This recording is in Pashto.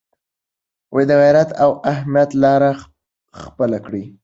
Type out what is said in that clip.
د غیرت او همت لاره خپله کړئ.